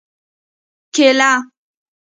🍌کېله